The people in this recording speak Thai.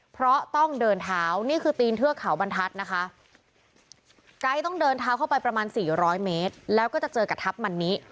เพราะต้องเดินเท้านี่คือตีนเทือกเขาบรรทัศน์นะคะไกด์ต้องเดินเท้าเข้าไปประมาณ๔๐๐เมตรแล้วก็จะเจอกับทัพมันนี้